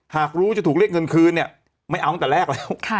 หากรู้จะถูกเรียกเงินคืนเนี่ยไม่เอาตั้งแต่แรกแล้ว